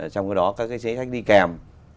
trong cái đó các cái chính sách đi kèm